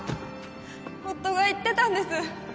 夫が言ってたんです。